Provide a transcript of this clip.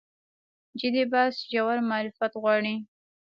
جدي بحث ژور معرفت غواړي.